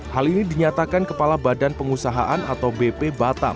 hal ini dinyatakan kepala badan pengusahaan atau bp batam